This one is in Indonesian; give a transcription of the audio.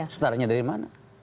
startnya dari mana